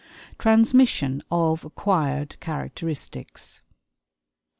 Transmission of Acquired Characteristics.